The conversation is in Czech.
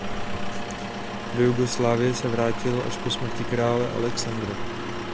Do Jugoslávie se vrátil až po smrti krále Aleksandra.